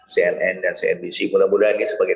cnn dan cnbc mudah mudahan ini sebagai